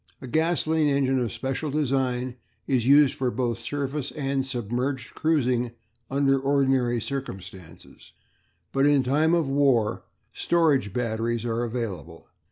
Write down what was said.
A gasolene engine of special design is used for both surface and submerged cruising under ordinary circumstances, but in time of war storage batteries are available.